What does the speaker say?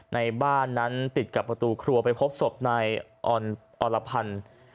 ในบ้านนั้นติดกับประตูครัวไปพบศพนายอรพันธ์